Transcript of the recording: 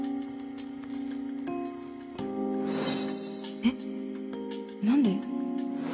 えっ何で？